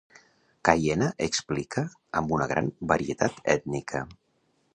Caiena explica amb una gran varietat ètnica.